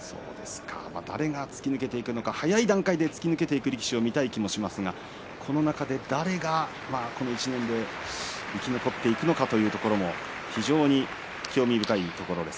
誰が突き抜けていくのが早い段階で突き抜けていく力士に見たい感じがしますがこの中で誰がこの１年で生き残っていくのかというところも非常に興味深いところです。